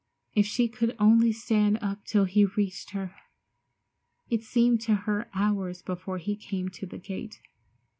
If she could only stand up till he reached her! It seemed to her hours before he came to the gate.